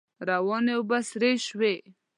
روانې اوبه سرې شوې.